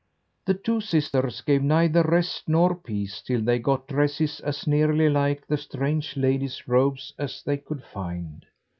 The two sisters gave neither rest nor peace till they got dresses as nearly like the strange lady's robes as they could find.